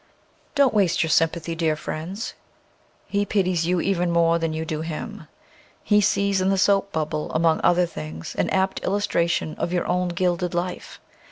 Don't waste your sympathy, dear friends; he pities you even more than you do him. He sees in the soap bubble, among other things, an apt illustration of your own gilded life.